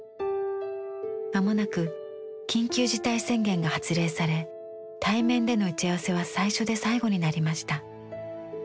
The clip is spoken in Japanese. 間もなく緊急事態宣言が発令され対面での打ち合わせは最初で最後になりました。